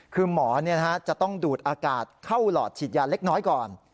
คือหมอจะต้องดูดอากาศเข้าหลอดฉีดยาเล็กน้อยก่อน